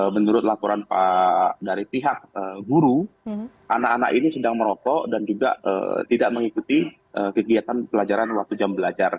menurut laporan dari pihak guru anak anak ini sedang merokok dan juga tidak mengikuti kegiatan pelajaran waktu jam belajar